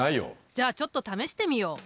じゃあちょっと試してみよう。